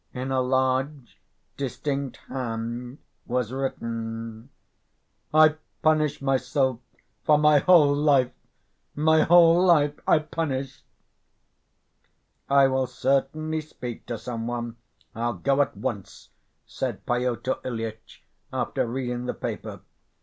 In a large, distinct hand was written: "I punish myself for my whole life, my whole life I punish!" "I will certainly speak to some one, I'll go at once," said Pyotr Ilyitch, after reading the paper.